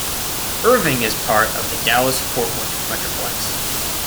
Irving is part of the Dallas-Fort Worth metroplex.